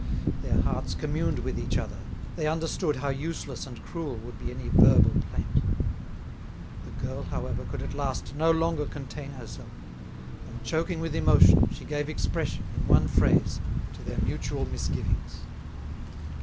Their hearts communed with each other, they understood how useless and cruel would be any verbal plaint. The girl, however, could at last no longer contain herself, and, choking with emotion, she gave expression, in one phrase, to their mutual misgivings.